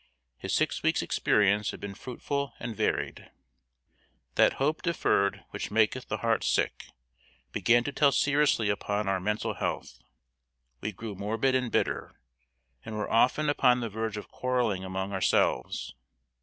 His six weeks' experience had been fruitful and varied. That hope deferred which maketh the heart sick, began to tell seriously upon our mental health. We grew morbid and bitter, and were often upon the verge of quarreling among ourselves.